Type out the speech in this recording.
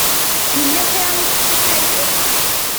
Yella kra i tesfuḥayemt?